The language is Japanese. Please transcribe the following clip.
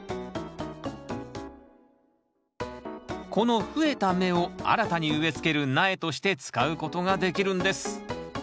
この増えた芽を新たに植えつける苗として使うことができるんです